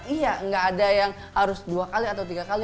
iya nggak ada yang harus dua kali atau tiga kali